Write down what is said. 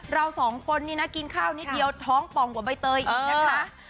เราสองคนนี่นะกินข้าวนิดเดียวท้องป่องกว่าใบเตยอีกนะคะ